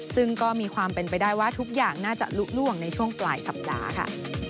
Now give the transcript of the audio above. ซึ่งก็มีความเป็นไปได้ว่าทุกอย่างน่าจะลุล่วงในช่วงปลายสัปดาห์ค่ะ